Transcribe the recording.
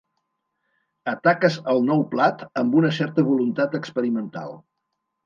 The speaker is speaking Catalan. Ataques el nou plat amb una certa voluntat experimental.